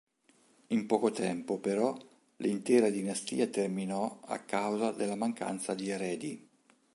In poco tempo, però, l'intera dinastia terminò a causa della mancanza di eredi.